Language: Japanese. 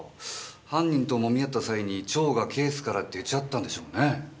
犯人ともみ合った際に蝶がケースから出ちゃったんでしょうね。